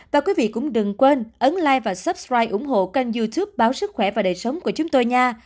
và quý vị cũng đừng quên ấn like và subscribe ủng hộ kênh youtube báo sức khỏe và đời sống của chúng tôi nha